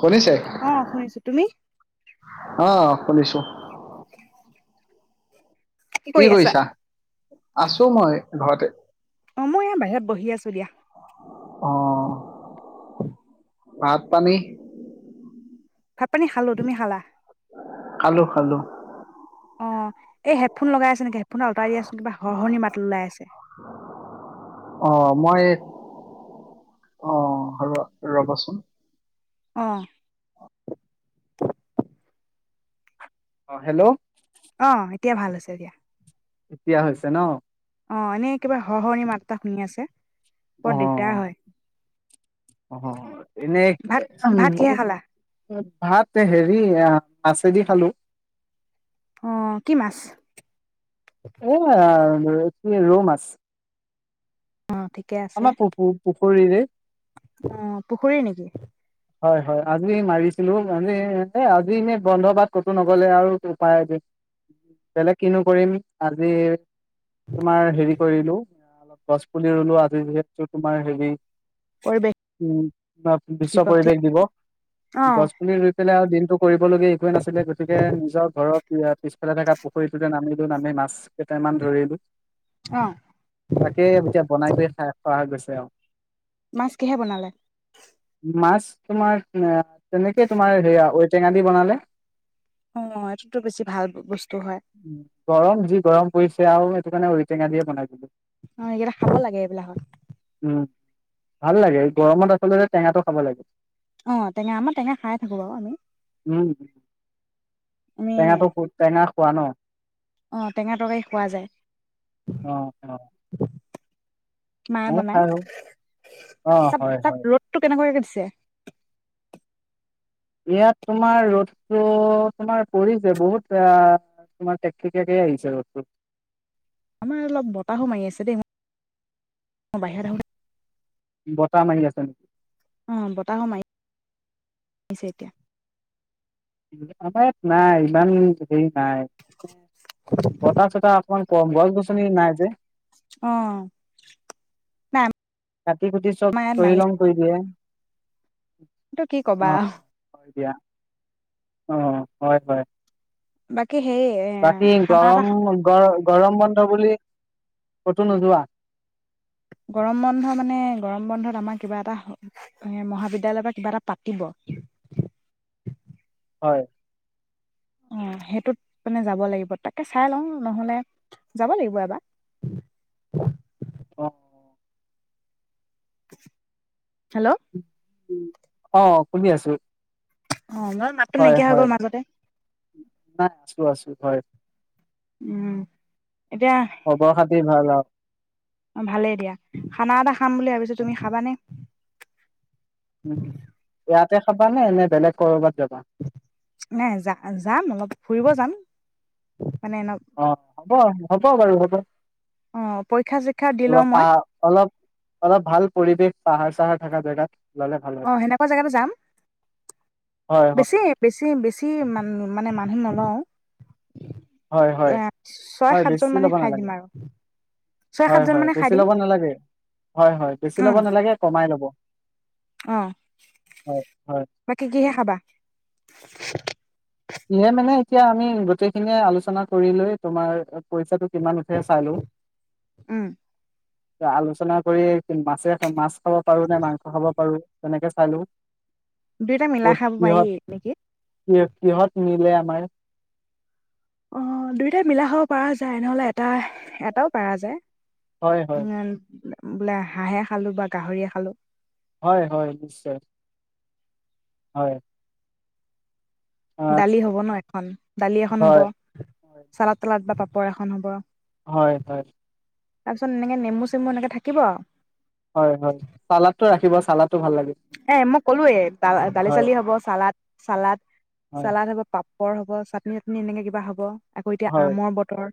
শুনিছে অ শুনিছো তুমি অ, শুনিছো কি কৰি আছা কৰিছা আছো মই ঘৰতে। অ, মই ইয়াৰ বাহিৰত বহি আছো দিয়া। অ ভাত পানী ভাত পানী খালো, তুমি খালা? খালো, খালো। অ, এই হেডফোন লগাই আছে নেকি? হেডফোনদাল আতৰাই দিয়াচোন কিবা হৰহৰনি মাত ওলাই আছে। অ মই আহ আৰু ৰবচোন? অ অ হেল্ল'? অ, এতিয়া ভাল হৈছে দিয়া। এতিয়া হৈছে ন। অ, এনেই কিবা সহ হৰনি মাত এটা শুনি আছে। অ বৰ দিগদাৰ হয়। অ এনেই ভাত ভাত কিহে [unintelligible] খালা ভাত হেৰি মাছেদি খালো। অ, কি মাছ? অহ এ ৰৌ কি ৰৌমাছ। অ ঠিকে আছে আমা পু পু পু খুৰীৰে অ, পুখুৰী নেকি? হয়, হয় আজি মাৰিছিলো মানে আজি এ আজি এনেই বন্ধ বাত কতো নগলে আৰু উপায় বেলেগ কিনো কৰিম আজি তোমাৰ হেৰি কৰিলো অলপ গছ পুলি ৰুলো, আজি যিহেতো তোমাৰ হেৰি পৰিৱেশ উম, বিশ্ব দিৱস ঠিক পৰিবেশ দিবস অ গছ পুলি ৰুই পেলাই আৰু দিনটো কৰিবলগীয়া একোৱে নাছিলে গতিকে নিজৰ ঘৰৰ পিছফালে থকা পুখুৰীটোতে নামিলো নামি মাছ কেইটামান ধৰিলো অ তাকে এতিয়া বনাই কৰি খাই খোৱা হৈ গৈছে তেওঁ মাছ কিহে বনালে মাছ তোমাৰ তেনেকে তোমাৰ সেয়া ঔটেঙা দি বনালে অ এইটোতো বেছি ভাল বস্তু হয় উম গৰম যি গৰম পৰিছে আৰু সেইটো কাৰণে ঔ টেঙা দিয়ে বনাই দিলোঁ অ এইকেইটা খাব লাগে এইবিলাকত। উ ভাল লাগে গৰমত আচলতে টেঙাটো খাব লাগে। অ টেঙা আমাৰ টেঙা খাই থাকো বাৰু আমি টেঙা টো কত টেঙা খোৱা ন। আহ টেঙা তৰকাৰি খোৱা অ অ যায় মায়ে ময়ো বনাই খাই অ', তাত হয়, তাত হয়। ৰ'দটো কেনেকুৱাকে দিছে [unintelligible] ইয়াত তোমাৰ ৰ'দ শ্ব তোমাৰ পৰিছে বহুত আহ তোমাৰ তেকতেকিয়াকে আহিছে ৰদটো আমাৰ অলপ বতাহো মাৰি আছে দেই মই বাহিৰত আহো বতাহ মাৰি আছে নেকি? অ বতাহো মাৰি মাৰিছে এতিয়া আমাৰ ইয়াত নাই ইমান হেৰি নাই বতাহ চতাহ। অকমান কম গছ গছনি নাই যে অ নাই কাটি কুটি চব তহি লং কৰি দিয়ে। তটো কি কবা অ', হয় দিয়া, অ হয় হয় বাকী সেই এ বাকী খানা এটা গৰম গৰ গৰম বন্ধ বুলি কতো নোযোৱা গৰম বন্ধ মানে গৰম বন্ধত আমাৰ কিবা এটা এ মহাবিদ্যালয় পা কিবা এটা পাতিব হয়। অ সেইটোত মানে যাব লাগিব তাকে চাই লওঁ নহলে যাব লাগিব এবাৰ। অ [unintelligible] হেল্ল' অ শুনি আছো অ বাৰ মাতটো নাইকিয়া হৈ গ'ল মাজতে। আছোঁ আছোঁ হয় উম। এতিয়া সৰ্ব সাধাৰণ। ভাল আৰু অ ভালে দিয়া খানা এটা খাম বুলি ভাবিছো তুমি খাবানে? উম ইয়াত তে খাবানে নে বেলেগ ক'ৰবাত যাবা? নাই যা যাম অলপ ফুৰিব যাম। মানে এনে অ হ'ব হ'ব বাৰু হ [unintelligible] অ', পৰীক্ষা চৰীক্ষা দি লওঁ অলপ পা মই অলপ অলপ ভাল পৰিৱেশ পাহাৰ-চাহাৰ থাকা জেগাত। ললে ভাল অ হয়। সেনেকুৱা জেগাতে যাম হয় হয় বেছি বেছি বেছি মানু মানে মানুহ নলও। হয় হয় হয় সাতজন বেছি মানে লব খাই নালাগে দিম আৰু ছয় হয় সাতজন হয় মানে খাই বেছি দিম লব নালাগে হয় হয় বেছি লব উম নালাগে কমাই ল'ব। অ হয় হয় বাকী কিহে খাবা? [unintelligible] কিহে মানে এতিয়া আমি গোটেইখিনিয়ে আলোচনা কৰি লৈ তোমাৰ পইচাটো কিমান উঠে চাই লও। উম আলোচনা কৰি মাছে মাছ খাব পাৰো, নে মাংস খাব পাৰো তেনেকে হেল্ল' দুইটা মেলা খাব পাৰি নেকি? [unintelligible] কিহত মিলে আমাৰ। অ দুয়োটাই মিলা খাব পাৰা যায়, নহ'লে এটা এটাও পাৰা যায়। হয় হয় উম। বোলে হাঁহে খালো বা গাহৰিয়ে খালো। হয় হয় নিশ্চয় হয়। আহ, দালি হব ন এখন দালি এখন হব, হয় চালাদ-তালাদ বা পাপ পৰ এখন হ'ব। হয় হয়। তাৰপিছত এনেকে নেমু-চেমু এনেকে থাকিব আৰু। হয় হয় চালাদটো ৰাখিব চালাদটো ভাল লাগে এ মই ক'লোৱে হয় দালি-চালি হব, চালাদ চালাদ হয় চালাদ হব পাপ পৰ হ'ব চাটনি চাটনি এনেকে কিবা হ'ব আকৌ এতিয়া হয় আমৰ বতৰ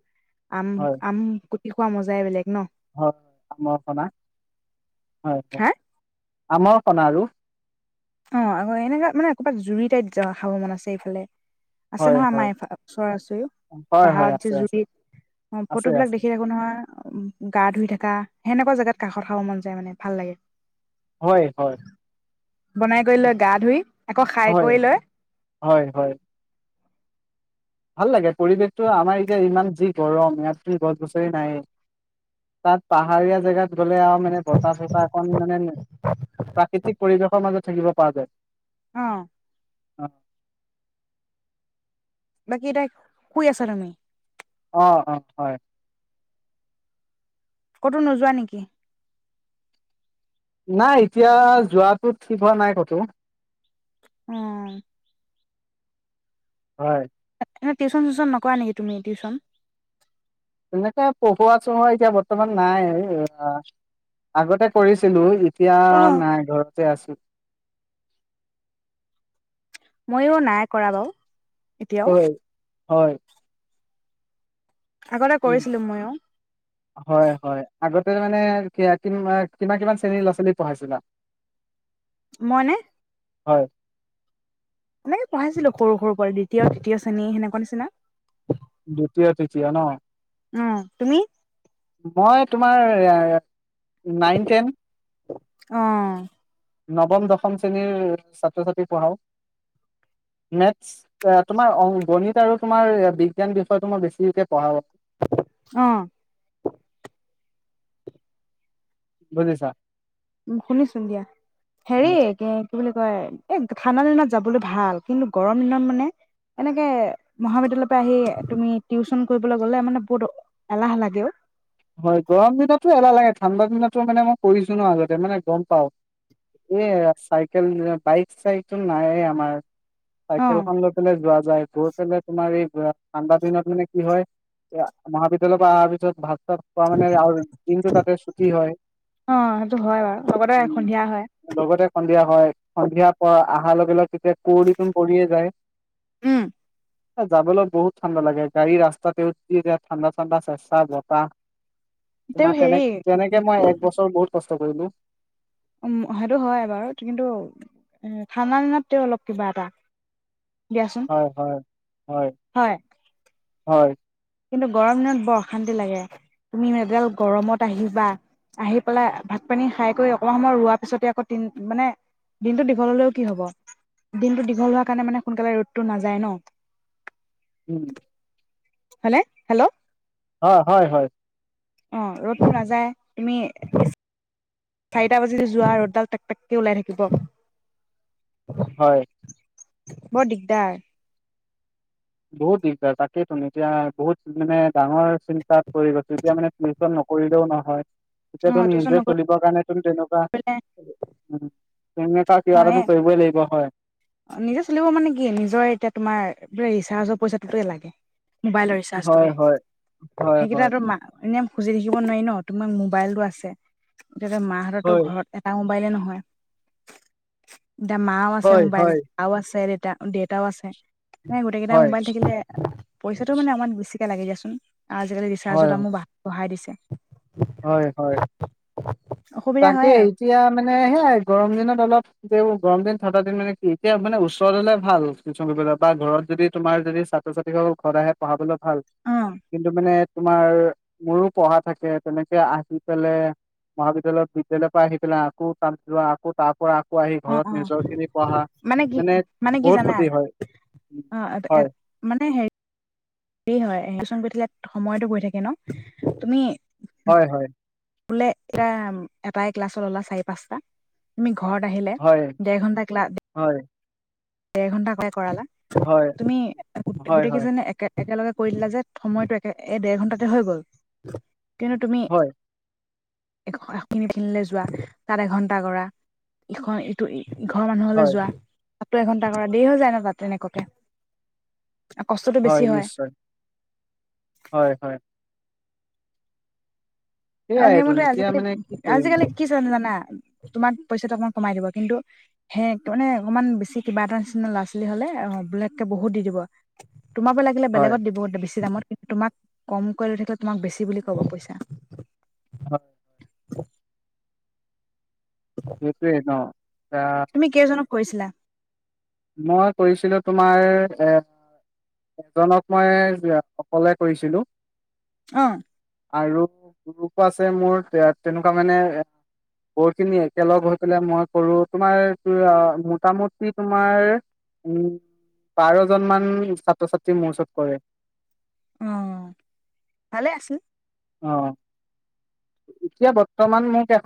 আম হয় আম দিখোৱা মজাই বেলেগ। ন [unintelligible] আমৰ হা সণাৰো অ আকৌ এনেকুৱা মানে ক'ৰবাত জুৰি টাইত য খাব মন আছে এইফালে আছে হয় নহয় হয় আমাৰ এইফ ওচৰা ওচৰিও হয় হয় পাহাৰত যে আছে আছে জুৰিত অ আছে ফটোবলাক আছে দেখি থাকো নহয় গা ধুই থকা সেনেকুৱা জেগাত কাষত খাব মন যায় মানে ভাল লাগে হয় হয় বনাই কৰি লৈ গা ধুই আকৌ খাই হয় কৰি লয় হয় হয় ভাল লাগে পৰিৱেশতো আমাৰ এতিয়া ইমান যি গৰম ইয়াত গছ গছৰি নাই তাত পাহাৰীয়া জেগাত গলে আৰু মানে বতাহ চতাহ অকণ মানে প্ৰাকৃতিক পৰিৱেশৰ মাজত থাকিব পৰা যায় অ অ বাকী এ তাই শুই আছা তুমি অ অ হয় ক'তো নোযোৱা নেকি নাই এতিয়া যোৱাটো ঠিক হোৱা নাই কতো উম হয় এনেই টিউচন চিউশন নকোৱা নেকি তুমি টিউশচন তেনেকে পঢ়োৱা চহোৱা এতিয়া বৰ্তমান নাই আগতে কৰিছিলো এতিয়া অ নাই ঘৰত আছো মইো নাই কৰা বাৰু এতিয়াও হয় হয় আগতে উম। কৰিছিলো ময়ো হয় হয় আগতে মানে কি কি কিমান কিমান শ্ৰেণীৰ ল'ৰা ছোৱালী পঢ়াইছিলা মইনে হয় এনেকে পঢ়াইছিলো সৰু সৰু পৰা দ্বিতীয় তৃতীয় শ্ৰেণী সেনেকুৱা নিচিনা দ্বিতীয়তিতিিয় ন উম তুমি মই তোমাৰ নাইন টেন অ নৱম দশম শ্ৰেণীৰ ছাত্ৰ ছাত্ৰী পঢ়াও মেথছ তোমাৰ গণিত আৰু তোমাৰ বিজ্ঞান বিষয়টো মই বেছিকে পঢ়া উম বুজিছা উ শুনিছোন দিয়া হেৰি কি বুলি কয় এই ঠাণ্ডা দিনত যাবলৈ ভাল কিন্তু গৰম দিনত মানে এনেকে মহাবিদ্যালয়ৰ পৰা আহি তুমি টিউচন কৰিবলৈ গলে মানে বহুত এলাহ লাগেও হয় গৰম দিনো এলাহ লাগে ঠাণ্ডা দিনো মানে মই কৰিছো ন আগতে মানে গম পাও এ চাইকেল বাইক চাইকো নাইে আমাৰ অ চাইকেল খন। লৈ পাই যোৱা যাই গৈ পাই তোমাৰ এই ঠাণ্ডা দিনত মানে কি হয় এ মহাবিদ্যালয়ৰ পৰা অহাৰ পিছত ভাত চাত পোৱা মানে আৰু দিনটো তাতে ছুটি হয় অ সেইটো হয় বাৰু লগতে উ সন্ধিয়া হয় লগতে সন্ধিয়া হয় সন্ধিয়া প অহাৰ লগে-লগে তেতিয়া কুৱৰিত পৰি এ যায়। উম যাবলৈ বহুত ঠাণ্ডা লাগে, গাড়ী ৰাস্তাতেও যেতিয়া ঠাণ্ডা-ঠাণ্ডা চেচা বতাহ। তেওঁ তোমাৰ হেৰি তেনে-তেনেকে মই এক বছৰ বহুত ক [unintelligible] উম সেইটো হয় বাৰু, কিন্তু এ ঠাণ্ডা দিনত তেওঁ অলপ কিবা এটা। দিয়াচোন হয়, হয়, হয়। হয়। কিন্তু গৰম দিনত বৰ অশান্তি লাগে। তুমি এডাল গৰমত আহিবা। আহি পেলাই ভাত-পানী খাই কৰি অকনমান সময় ৰোৱাৰ পিছতে আকৌ মানে দিনটো দীঘল হলেও কি হব? দিনটো দীঘল হোৱা কাৰণে মানে সোনকালে ৰ'দটো নাযায় ন? উম। হলে হেল্ল' হয়, হয়, হয়। অ', ৰ'দো নাযায় তুমি চাৰিটা বাজিল যোৱা ৰ'দডাল টেকটেককৈ ওলাই থাকিব। হয়। বৰ দিগদাৰ। বহুত দিগদাৰ তাকেইেতো এতিয়া বহুত মানে ডাঙৰ চ চাত পৰি গৈছো, এতিয়া মানে টিউশ্যন নকৰিলেও নহয়। হয়। অ তেতিয়া তুমি টিউচন নিজে চলিব কাৰণে তুমি তেনেকুৱা নকৰিলে অ কা-কিবা এ এটাটো কৰিবই লাগিব। অ', হয়। নিজে চলিব মানে কি? নিজৰ এতিয়া তোমাৰ ৰিচাৰ্জৰ পইচাটোত লাগে। মোবাইলৰ হয় ৰিচাৰ্জটোকে হয় হয় সেইকেইটা হয় এনেই খুজি থাকিব নোৱাৰি ন? তোমাৰ মোবাইলটো আছে। তেতিতে মাহঁতৰো হয় ঘৰত এটাও মোবাইল এ নহয়। [unintelligible] মাও আছে হয় মোবাইল। হয় আছে দে-দেতাও আছে। নাই গোটেই কেইটটা মোবাইল থাকিলে পইচাটো মানে আমাৰ বেছিকে লাগে দিয়া। আজিকালি ৰিচাৰ্জত হয় হয় দামো বঢ়াই দিছে। অ হয়, হয় অসুবিধা তাকে হয় আৰু এতিয়া মানে মানে সেয়াই গৰম দিনত অলপ, তেওঁ গৰম দিন ঠাণ্ডা দিন মানে কি? এতিয়া মানে ওচৰত হলে ভাল টিউশ্যন কৰিব যাব ঘৰত যদি তোমাৰ যদি ছাত্ৰ-ছাত্ৰীসকল ঘৰত আহে পঢ়াবলৈ ভাল অ কিন্তু মানে তোমাৰ মোৰো পঢ়া থাকে তেনেকে আহি পেলাই মহাবিদ্যালয়ত বিদ্যালয় পা আহি পেলাই আকৌ তাত যোৱা আকৌ তা পৰা পোৱাহি অ ঘৰত অ নিজৰ খিনি পঢ়া কি মানে কি বহুত জানা ক্ষতি হয় অ হয় হে হয় টিউচন কৰি থাকিলে সময়তো গৈ থাকে ন তুমি হয় হয় বোলে এৰা এটাই ক্লাছৰ ললা চাৰি পাঁচটা তুমি ঘৰত আহিলে হয় দেৰ ঘন্টা ক্লাছ হয় দেৰ ঘণ্টাকে কৰালা হয় তুমি হয় গোটেই হয় কেইজনে একে একেলগে কৰি দিলা যে সময়টো একে এই এ ডেৰ ঘন্টাতে হৈ গ'ল কিন্তু তুমি হয় খিনিখিনিলে যোৱা তাত এঘন্টা কৰা ইখন এইটো ঘৰৰ মানুহলে হয় যোৱা এঘন্টা কৰা দেৰি হৈ যায় ন তাত তেনেকুৱাকে কষ্টটো বেছি হয় নিশ্চয় হয় হয় অ সেয়াইতোন সেইমতেই এতিয়া আজিকালি মানে কি কৰিম আজিকালি কি চানে জানা তোমাৰ পইচাটো অকমান কমাই দিব কিন্তু সেই মানে অকনমান বেছি কিবা এটা নিচিনা ল'ৰা ছোৱালী হ'লে বেলেগকে বহুত দি দিব তোমাৰ পৰা লাগিলে হয় বেলেগত দিব বেছি দামত তোমাক কমকৈ লৈ থাকিলে তোমাক বেছি বুলি ক'ব পইচা হয় সেইটোৱে ন এ তুমি কেইজনক কৰিছিলা মই কৰিছিলোঁ তোমাৰ এ এজনক মই অকলে কৰিছিলোঁ অ আৰু গ্ৰুপ আছে মোৰ এ তেনেকুৱা মানে এ বহুত খিনি একেলগ হৈ পেলাই মই কৰো তোমাৰ আ মোটামুটি তুম আমাৰ উম বাৰ জন মান ছাত্ৰ ছাত্ৰী মোৰ ওচৰত কৰে অ ভালে আছিল অ এতিয়া বৰ্তমান মোক এখন